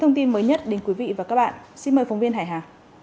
thông tin mới nhất đến quý vị và các bạn xin mời phóng viên hải hà